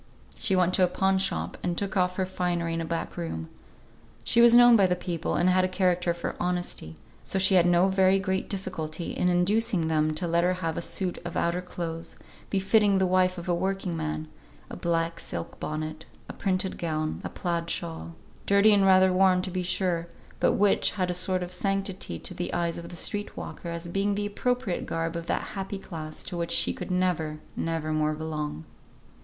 She went to a pawn shop, and took off her finery in a back room. She was known by the people, and had a character for honesty, so she had no very great difficulty in inducing them to let her have a suit of outer clothes, befitting the wife of a working man, a black silk bonnet, a printed gown, a plaid shawl, dirty and rather worn to be sure, but which had a sort of sanctity to the eyes of the street walker as being the appropriate garb of that happy class to which she could never, never more belong.